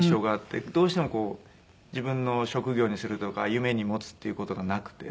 どうしても自分の職業にするとか夢に持つっていう事がなくて。